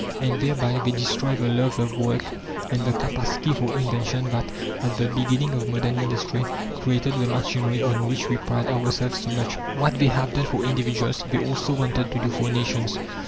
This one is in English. And thereby they destroy the love of work and the capacity for invention that, at the beginning of modern industry, created the machinery on which we pride ourselves so much. What they have done for individuals, they also wanted to do for nations.